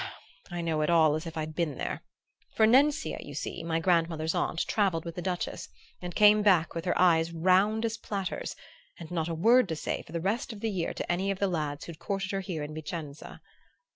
I know it all as if I'd been there, for Nencia, you see, my grandmother's aunt, travelled with the Duchess, and came back with her eyes round as platters, and not a word to say for the rest of the year to any of the lads who'd courted her here in Vicenza.